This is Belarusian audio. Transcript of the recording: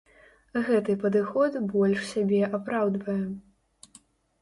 Гэты падыход больш сябе апраўдвае.